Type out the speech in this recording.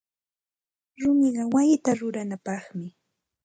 Rumiqa wayita ruranapaqmi.